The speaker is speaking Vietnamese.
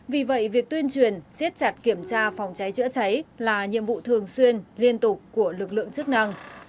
vì vậy việc tuyên truyền siết chặt kiểm tra phòng cháy chữa cháy là nhiệm vụ thường xuyên liên tục của lực lượng chức năng